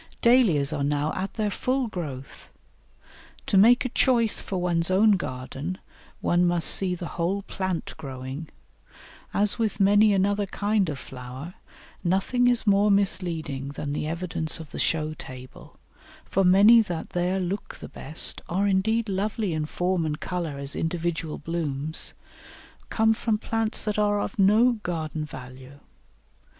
Dahlias are now at their full growth. To make a choice for one's own garden, one must see the whole plant growing. As with many another kind of flower, nothing is more misleading than the evidence of the show table, for many that there look the best, and are indeed lovely in form and colour as individual blooms, come from plants that are of no garden value.